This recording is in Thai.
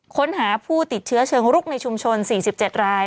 ค้นหาผู้ติดเชื้อเชิงรุกในชุมชน๔๗ราย